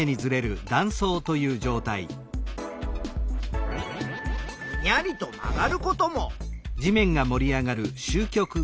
ぐにゃりと曲がることも。